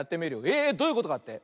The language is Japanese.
えどういうことかって？